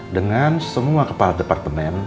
dengan semua kepala departemen